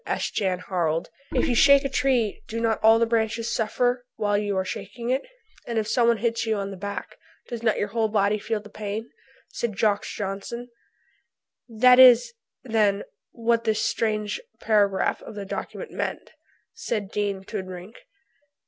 asked Jan Harald. "If you shake a tree do not all its branches suffer while you are shaking it?" "And if somebody hits you on the back does not your whole body feel the pain?" said Jacques Jansen. "That is, then, what this strange paragraph of the document meant," said Dean Toodrink.